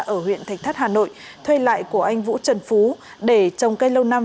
ở huyện thạch thất hà nội thuê lại của anh vũ trần phú để trồng cây lâu năm